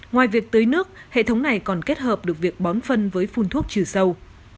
ngoài việc tưới nước hệ thống này còn kết hợp được việc bón phân với phun thuốc trừ sâu